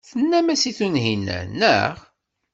Tennam-as i Tunhinan, naɣ?